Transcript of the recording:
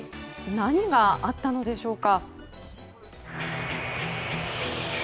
何があったのでしょうか。